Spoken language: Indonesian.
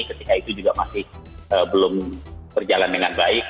ketika itu juga masih belum berjalan dengan baik